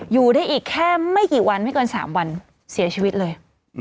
อยู่ได้อีกแค่ไม่กี่วันไม่เกิน๓วันเสียชีวิตเลย